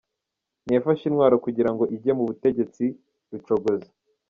ntiyafashe intwaro kugira ngo ijye mu butegetsi-Rucogoza